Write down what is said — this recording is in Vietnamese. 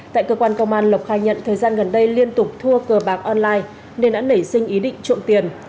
tại cơ quan công an lộc khai nhận thời gian gần đây liên tục thua cờ bạc online nên đã nảy sinh ý định trộm tiền